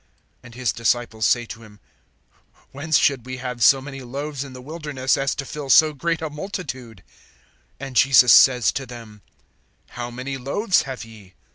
(33)And his disciples say to him: Whence should we have so many loaves in the wilderness, as to fill so great a multitude? (34)And Jesus says to them: How many loaves have ye?